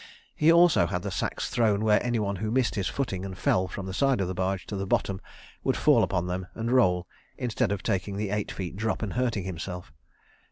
He also had the sacks thrown where anyone who missed his footing and fell from the side of the barge to the bottom would fall upon them and roll, instead of taking the eight feet drop and hurting himself.